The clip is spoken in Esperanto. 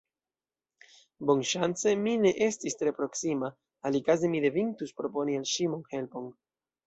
Bonŝance mi ne estis tre proksima, alikaze mi devintus proponi al ŝi monhelpon...